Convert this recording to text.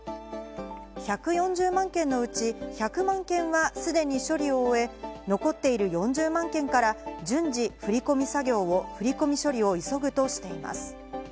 １４０万件のうち１００万件は、すでに処理を残っている４０万件から順次、振り込み処理を急ぐとしています。